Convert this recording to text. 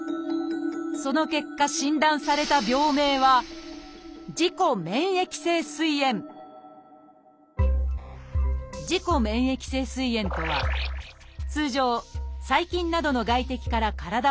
その結果診断された病名は「自己免疫性すい炎」とは通常細菌などの外敵から体を守る